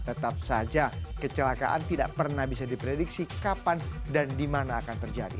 tetap saja kecelakaan tidak pernah bisa diprediksi kapan dan di mana akan terjadi